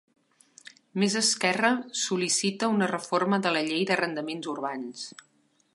Més Esquerra sol·licita una reforma de la Llei d'Arrendaments Urbans